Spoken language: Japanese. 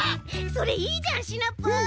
それいいじゃんシナプー！